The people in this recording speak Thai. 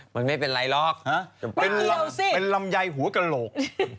มันไม่เป็นไรหรอกเป็นลำไยหัวกระโหลก